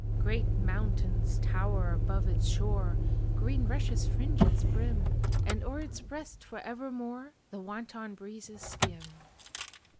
Great mountains tower above its shore, Green rushes fringe its brim, And o'er its breast for evermore The wanton breezes skim.